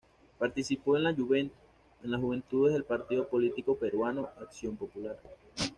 Participó en las juventudes del partido político peruano Acción Popular.